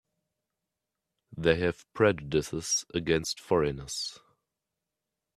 They have prejudices against foreigners.